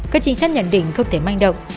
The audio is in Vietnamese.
các trình sát nhận định không thể manh động